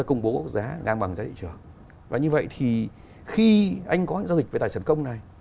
có giao dịch về tài sản công này